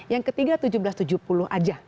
yang ketiga seribu tujuh ratus tujuh puluh aja